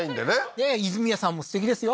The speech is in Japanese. いやいや泉谷さんもすてきですよ